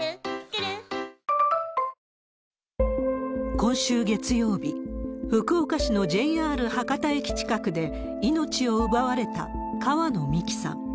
今週月曜日、福岡市のＪＲ博多駅近くで、命を奪われた川野美樹さん。